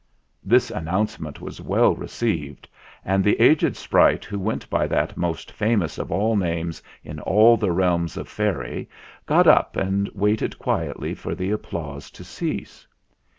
This announcement was well received, and the aged sprite who went by that most famous of all names in all the Realms of Fairie got up and waited quietly for the applause to cease.